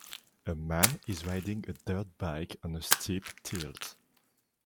A man is riding a dirt bike on a steep tilt.